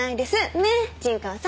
ねっ陣川さん。